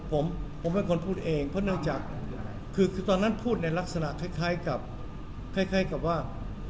ผมผมเป็นคนพูดเองเพราะเนื่องจากคือตอนนั้นพูดในลักษณะคล้ายกับคล้ายกับว่า